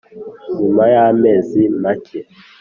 nyuma y'amezi make,